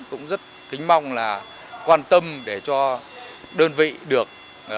cũng rất kính mong là quan tâm để cho đơn vị được